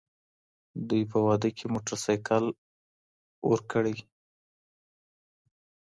دوی په واده کي موټرسايکل ورکړي